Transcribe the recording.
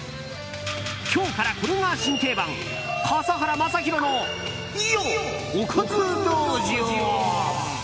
今日からこれが新定番笠原将弘のおかず道場。